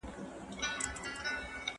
شاه امان الله خان وویل، خپلواکي زموږ حق دی.